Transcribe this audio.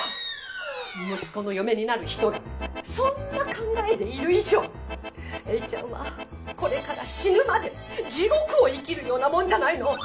息子の嫁になる人がそんな考えでいる以上えいちゃんはこれから死ぬまで地獄を生きるようなもんじゃないの！